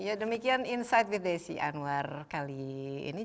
ya demikian insight with desi anwar kali ini